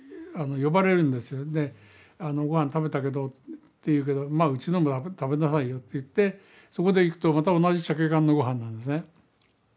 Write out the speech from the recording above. で「ご飯食べたけど」って言うけど「うちでも食べなさいよ」と言ってそこで行くとまた同じシャケ缶のご飯なんですね。